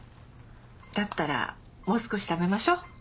だったらもう少し食べましょ。